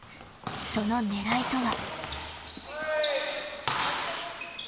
その狙いとは。